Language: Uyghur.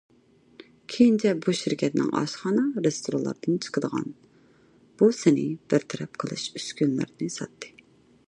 كېيىنچە بۇ شىركەتنىڭ ئاشخانا، رېستورانلاردىن چىقىدىغان بۇسنى بىر تەرەپ قىلىش ئۈسكۈنىلىرىنى ساتتى.